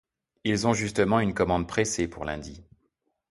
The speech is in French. Ils ont justement une commande pressée pour lundi.